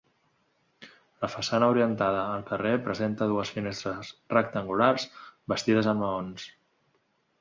La façana orientada al carrer presenta dues finestres rectangulars bastides en maons.